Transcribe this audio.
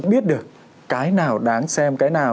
biết được cái nào đáng xem